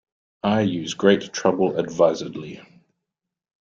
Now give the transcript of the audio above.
I use great trouble advisedly.